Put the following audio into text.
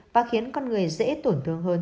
và khiến con người dễ tổn thương hơn